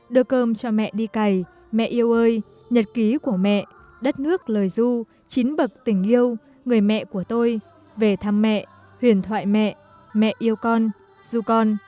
đưa cơm cho mẹ đi cày mẹ yêu ơi nhật ký của mẹ đất nước lời du chín bậc tình yêu người mẹ của tôi về thăm mẹ huyền thoại mẹ mẹ yêu con du con